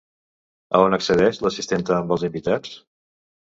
A on accedeix l'assistenta amb els invitats?